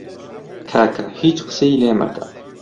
کاکە هیچ قسەی لێ مەکە!